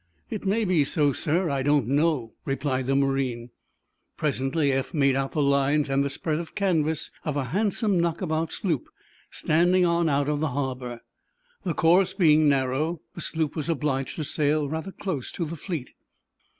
"It may be so, sir; I don't know," replied the marine. Presently Eph made out the lines and the spread of canvas of a handsome knockabout sloop standing on out of the harbor. The course being narrow, the sloop was obliged to sail rather close to the fleet.